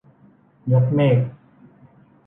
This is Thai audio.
ยกเมฆ